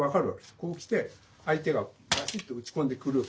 こうきて相手がバチッと打ち込んでくる。